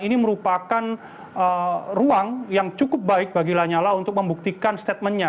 ini merupakan ruang yang cukup baik bagi lanyala untuk membuktikan statementnya